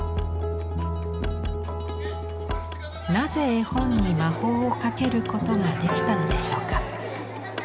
なぜ絵本に魔法をかけることができたのでしょうか。